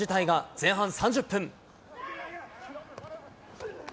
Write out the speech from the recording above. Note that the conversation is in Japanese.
前半３０分。